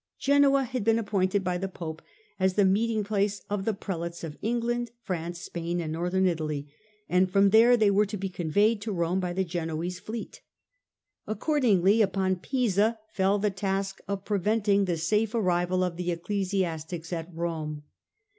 Genoa had been appointed by the Pope as the meeting place of the Prelates of England, France, Spain and Northern Italy, and from there they were to be conveyed to Rome by the Genoese fleet. Accordingly upon Pisa fell the task of preventing the safe arrival of the ecclesias tics at Rome.